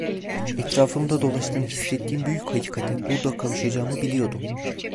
Etrafımda dolaştığını hissettiğim büyük hakikate burada kavuşacağımı biliyordum.